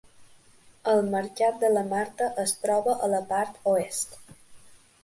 El mercat de la Marta es troba a la part oest.